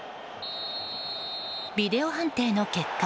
ビデオ判定の結果